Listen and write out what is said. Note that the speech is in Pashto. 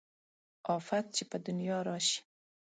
افت چې په دنيا راشي